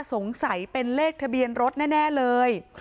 สงสัยเป็นเลขทะเบียนรถแน่เลย